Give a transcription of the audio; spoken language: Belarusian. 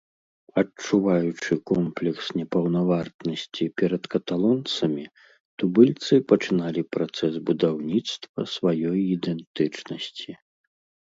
Адчуваючы комплекс непаўнавартаснасці перад каталонцамі, тубыльцы пачыналі працэс будаўніцтва сваёй ідэнтычнасці.